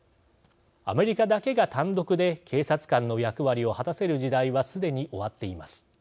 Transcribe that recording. アメリカだけが単独で警察官の役割を果たせる時代はすでに終わっています。